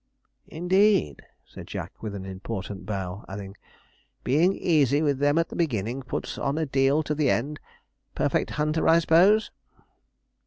'Indeed!' said Jack, with an important bow, adding, 'being easy with them at the beginnin' puts on a deal to the end. Perfect hunter, I s'pose?'